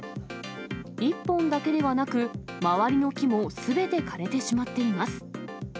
１本だけではなく、周りの木もすべて枯れてしまっています。